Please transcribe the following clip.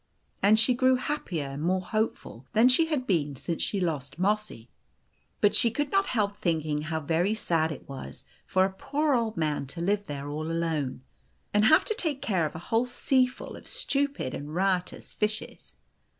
And she grew happier and more hopeful than she had been since she lost Mossy. But she could not help thinking how very sad it was for a poor old man to live there all alone, and have to take care of a whole seaful of stupid and riotous fishes.